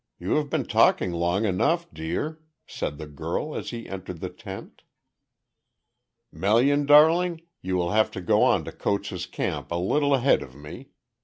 You have been talking long enough, dear," said the girl, as he entered the tent. "Melian darling, you will have to go on to Coates' camp a little ahead of me.